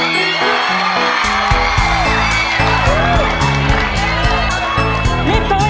เริ่มตัวเร็ว